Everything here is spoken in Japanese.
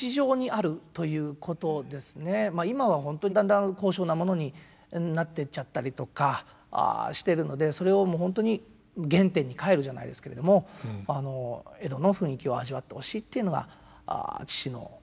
あ今は本当にだんだん高尚なものになっていっちゃったりとかしてるのでそれをもう本当に「原点にかえる」じゃないですけれども江戸の雰囲気を味わってほしいっていうのが父の願いでしたね。